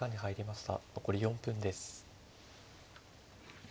残り４分です。